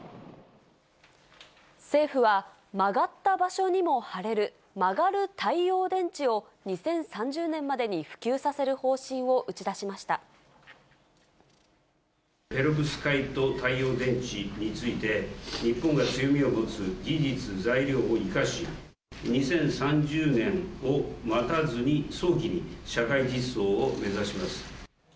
政府は、曲がった場所にも貼れる、曲がる太陽電池を２０３０年までに普及させる方針を打ち出しましペロブスカイト太陽電池について、日本が強みを持つ技術材料を生かし、２０３０年を待たずに、早期に社会実装を目指します。